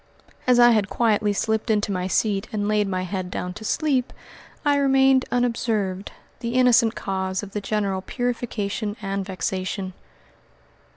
As I had quietly slipped into my seat and laid my head down to sleep, I remained unobserved the innocent cause of the general purification and vexation.